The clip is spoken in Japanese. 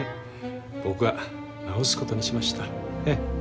僕が直すことにしました。